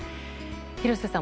廣瀬さん